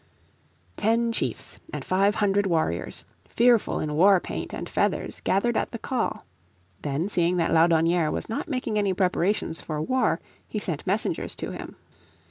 Ten chiefs and five hundred warriors, fearful in war paint and feathers, gathered at the call. Then seeing that Laudonnière was not making any preparations for war, he sent messengers to him.